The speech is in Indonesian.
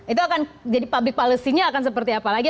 itu akan jadi public policy nya akan seperti apa lagi